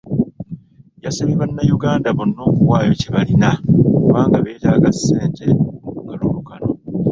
Yasabye bannayuganda bonna okuwaayo kyebalina kubanga beetaaga ssente mu kalulu kano.